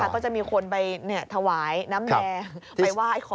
ก็จะมีคนไปถวายน้ำแดงไปไหว้ขอ